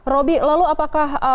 robi lalu apakah